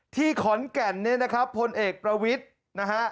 ที่ขอนแก่นเนี่ยนะครับพลเอกประวิทย์นะฮะ